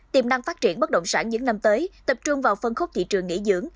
tiềm năng phát triển bất động sản những năm tới tập trung vào phân khúc thị trường nghỉ dưỡng